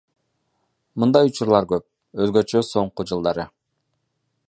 Мындай учурлар көп, өзгөчө соңку жылдары.